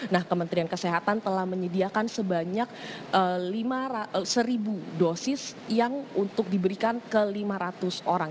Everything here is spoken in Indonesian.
nah kementerian kesehatan telah menyediakan sebanyak seribu dosis yang untuk diberikan ke lima ratus orang